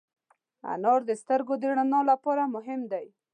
انار د سترګو د رڼا لپاره مهم دی.